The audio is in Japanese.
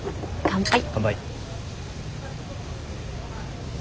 乾杯。